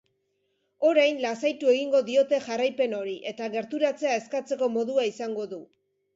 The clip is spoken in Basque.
Orain lasaitu egingo diote jarraipen hori, eta gerturatzea eskatzeko modua izango du.